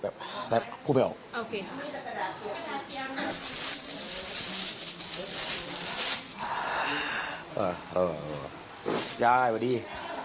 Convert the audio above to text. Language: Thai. อาการไม่ควรดี